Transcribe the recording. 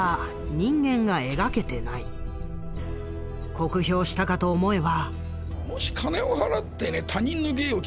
酷評したかと思えば。